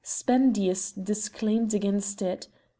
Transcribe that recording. Spendius declaimed against it.